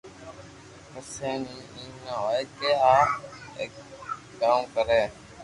پسي بي ايم نہ ھوئي ڪي آ ڪاو ڪري